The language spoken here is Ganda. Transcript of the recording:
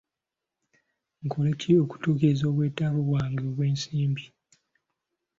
Nkole ki okutuukiriza obwetaavu bwange obw'ensimbi?